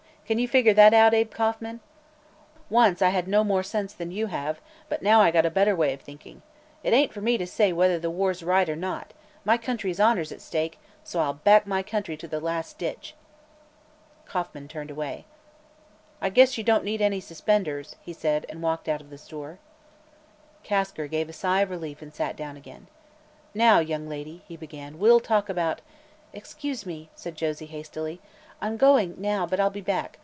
Can you figure that out, Abe Kauffman? Once I had more sense than you have, but now I got a better way of thinking. It ain't for me to say whether the war's right or not; my country's honor is at stake, so I'll back my country to the last ditch." Kauffman turned away. "I guess you don't need any suspenders," he said, and walked out of the store. Kasker gave a sigh of relief and sat down again. "Now, young lady," he began, "we'll talk about " "Excuse me," said Josie hastily. "I'm going, now; but I'll be back.